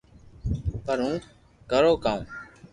پر ھون ڪرو ڪاو